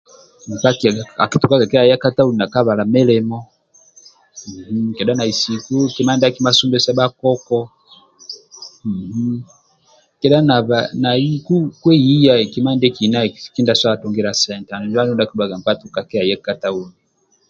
Nkpa akitukaga kehe nakayaki ka tauni nakabala milimo, kedha naisiku kima ndiaki masumbesa bhia koko, kedha naliku kwehiya kima ndiekina kindia akisobola tungulia sente. Injo akiduaga andulu nkpa atuka kehe aya ka tauni